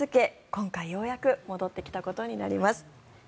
今回、ようやく戻ってきたことになります。